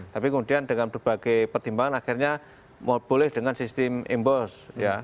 tapi kemudian dengan berbagai pertimbangan akhirnya boleh dengan sistem embos